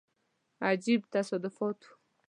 عجیب تصادف وو.